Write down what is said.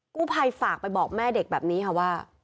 กู้ภัยฝากไปบอกแม่เด็กแบบนี้ค่ะว่า